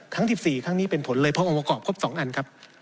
ทั้ง๑๔ครั้งนี้เป็นผลเลยเพราะองค์ประกอบครบ๒อันครับ